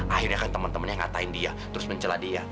akhirnya kan temen temennya ngatain dia terus mencelah dia